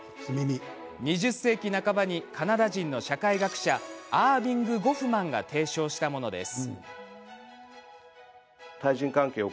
２０世紀半ばにカナダ人の社会学者アーヴィング・ゴフマンが提唱したものです。